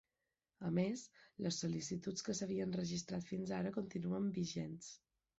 A més, les sol·licituds que s’havien registrat fins ara continuen vigents.